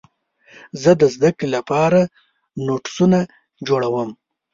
زه د زدهکړې لپاره نوټسونه جوړوم.